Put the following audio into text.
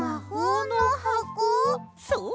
そう！